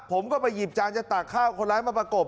ผมก็ไปหยิบจานจะตากข้าวคนร้ายมาประกบ